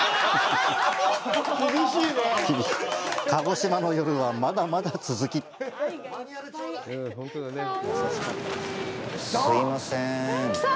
鹿児島の夜は、まだまだ続きすいません。